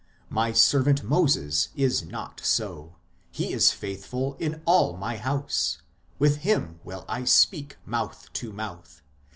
My servant Moses is not so ; he is faithful in all My house ; with him will I speak mouth to mouth